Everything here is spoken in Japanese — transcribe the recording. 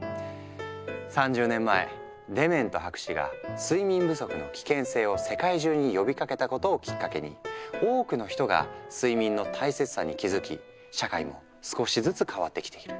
３０年前デメント博士が睡眠不足の危険性を世界中に呼びかけたことをきっかけに多くの人が睡眠の大切さに気付き社会も少しずつ変わってきている。